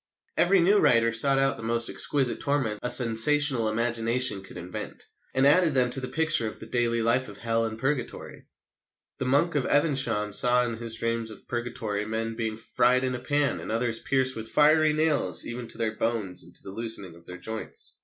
Every new writer sought out the most exquisite torments a sensational imagination could invent, and added them to the picture of the daily life of Hell and Purgatory. The Monk of Evesham saw in his dream of Purgatory men being fried in a pan and others "pierced with fiery nails even to their bones and to the loosening of their joints."